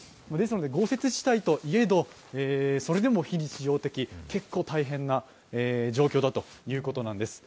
豪雪地帯といえど非日常的、結構大変な状況だということなんてす。